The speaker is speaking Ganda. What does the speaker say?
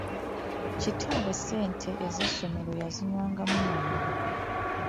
Kitaabwe ssente z’essomero yazinywangamu mwenge.